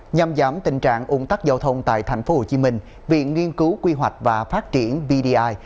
nhằm giảm tình trạng ung tắc giao thông tại tp hcm viện nghiên cứu quy hoạch và phát triển vdi